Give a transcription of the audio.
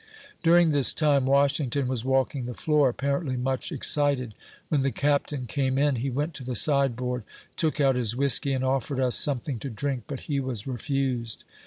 During this time, Washington was walking the floor, ap parently much excited. When the Captain came in, he went to the sideboard, took out his whiskey, and offered us some thing to drink, but he was refused.